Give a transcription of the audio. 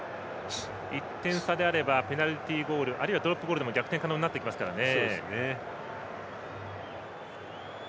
１点差であればペナルティーゴールあるいはドロップゴールでも逆転可能になってきますからね。